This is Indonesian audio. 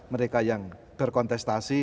mereka yang berkontestasi